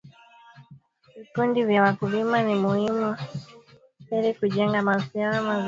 Vikundi vya wakulima ni muhimu ili kujenga mahusiano mazuri